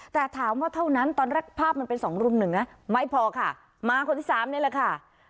แต่ถามว่าเท่านั้นตอนแรกภาพมันเป็นสองรุ่มหนึ่งนะไม่พอค่ะมาคนที่สามนี่แหละค่ะ